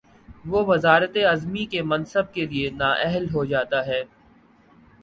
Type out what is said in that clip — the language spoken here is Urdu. وہ وزارت عظمی کے منصب کے لیے نااہل ہو جا تا ہے۔